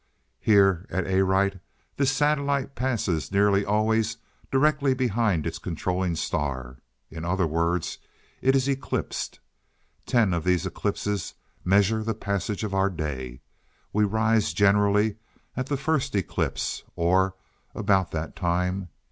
Here at Arite, this satellite passes nearly always directly behind its controlling star. In other words, it is eclipsed. Ten of these eclipses measure the passage of our day. We rise generally at the first eclipse or about that time.